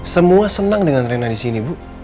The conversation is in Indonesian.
semua senang dengan rena disini bu